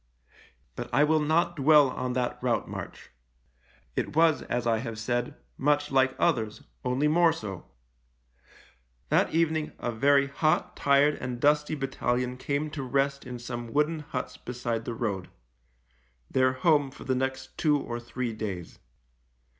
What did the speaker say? But I will not dwell on that route march. 14 THE LIEUTENANT It was, as I have said, much like others, only more so. That evening a very hot, tired, and dusty battalion came to rest in some wooden huts beside the road — their home for the next two or three days.